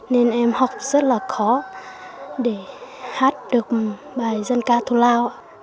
nên em học rất là khó để hát được bài dân ca thủ lao